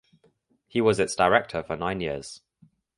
He was its director for nine years.